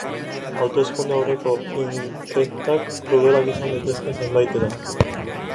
Hauteskunde aurreko inkestak krudelak izan daitezke zenbaitetan.